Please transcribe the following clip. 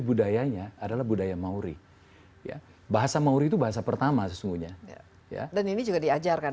budayanya adalah budaya mauri ya bahasa mauri itu bahasa pertama sesungguhnya ya dan ini juga diajarkan